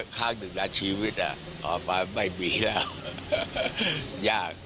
ครั้งหนึ่งนานชีวิตอ่ะต่อไปไม่มีแล้วยาก